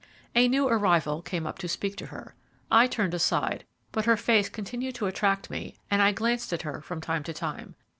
A new arrival came up to speak to her. I turned aside, but her face continued to attract me, and I glanced at her from time to time.